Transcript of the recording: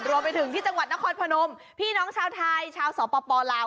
รวมไปถึงที่จังหวัดนครพนมพี่น้องชาวไทยชาวสปลาว